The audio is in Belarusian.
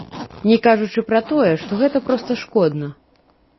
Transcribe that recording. Не кажучы пра тое, што гэта проста шкодна.